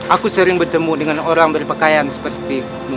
aku sering bertemu dengan orang berpakaian seperti